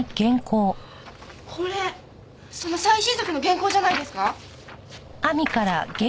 これその最新作の原稿じゃないですか？